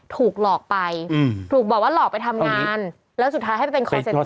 ถูกหลอกไปถูกบอกว่าหลอกไปทำงานแล้วสุดท้ายให้เป็น